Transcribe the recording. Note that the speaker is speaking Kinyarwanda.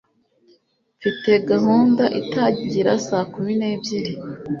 Mfite gahunda itangira saa kumi n'ebyiri.